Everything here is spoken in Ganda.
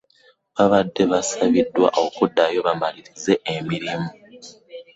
Baabadde basabiddwa okuddayo bamalirize emirimu.